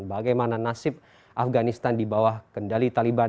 bagaimana nasib afganistan di bawah kendali taliban